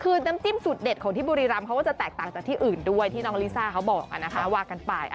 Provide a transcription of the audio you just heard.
คือน้ำจิ้มสุดเด็ดของที่บุรีรำเขาก็จะแตกต่างจากที่อื่นด้วยที่น้องลิซ่าเขาบอกนะคะว่ากันไป